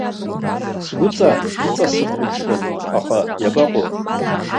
Сгәыҵа иҵасырҟәыҷрын, аха иабаҟоу!